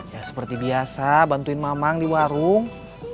ya seperti biasa bantuin mamang di warung